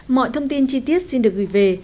mọi thông tin chi tiết xin được gửi về